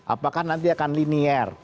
apakah nanti akan linier